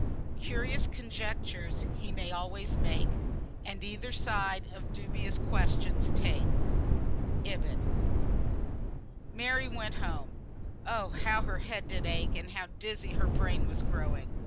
"Curious conjectures he may always make, And either side of dubious questions take." IB. Mary went home. Oh! how her head did ache, and how dizzy her brain was growing!